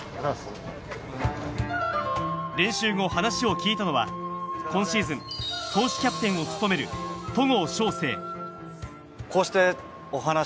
練習後、話を聞いたのは、今シーズン、投手キャプテンを務める戸郷翔征。